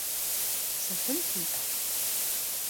Sabın fi'e?